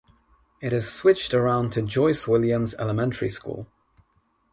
It is switched around to Joyce Williams Elementary School.